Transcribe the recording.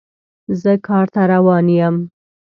زه کار ته روان یم